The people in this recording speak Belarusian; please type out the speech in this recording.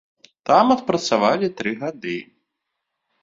Там адпрацавалі тры гады.